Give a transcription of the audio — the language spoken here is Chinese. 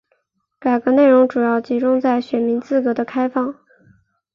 改革内容主要集中在选民资格的开放。